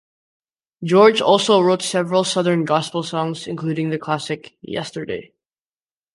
George also wrote several Southern Gospel songs including the classic "Yesterday".